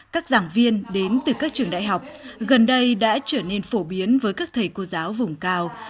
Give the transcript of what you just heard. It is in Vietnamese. các giảng viên đến từ các trường đại học gần đây đã trở nên phổ biến với các thầy cô giáo vùng cao